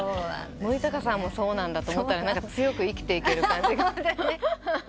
森高さんもそうだと思ったら強く生きていける感じが。